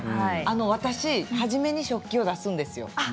私、初めに食器を出すんですよ。